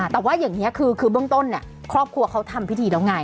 แต่ว่าอย่างนี้คือเบื้องต้นครอบครัวเขาทำพิธีแล้วไง